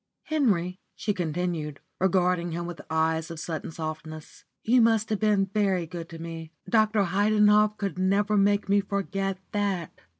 Henry," she continued, regarding him with eyes of sudden softness, "you must have been very good to me. Dr. Heidenhoff could never make me forget that."